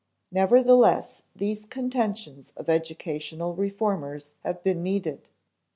Nevertheless, these contentions of educational reformers have been needed.